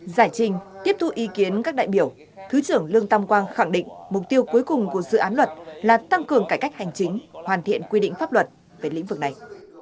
giải trình tiếp thu ý kiến các đại biểu thứ trưởng lương tam quang khẳng định mục tiêu cuối cùng của dự án luật là tăng cường cải cách hành chính hoàn thiện quy định pháp luật về lĩnh vực này